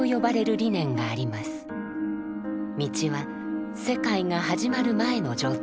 「道」は世界が始まる前の状態。